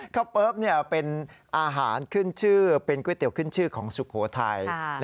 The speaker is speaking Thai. เปิ๊บเป็นอาหารขึ้นชื่อเป็นก๋วยเตี๋ยวขึ้นชื่อของสุโขทัย